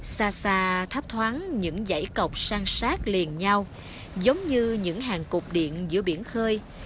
xa xa thấp thoáng những dãy cọc sang sát liền nhau giống như những hàng cục điện giữa biển khơi